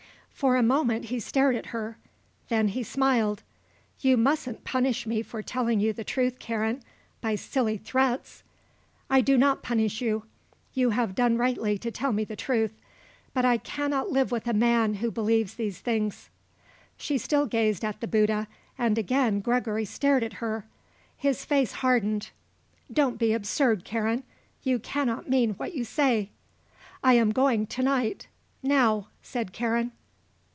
For a moment he stared at her. Then he smiled. "You mustn't punish me for telling you the truth, Karen, by silly threats." "I do not punish you. You have done rightly to tell me the truth. But I cannot live with a man who believes these things." She still gazed at the Bouddha and again Gregory stared at her. His face hardened. "Don't be absurd, Karen. You cannot mean what you say." "I am going to night. Now," said Karen.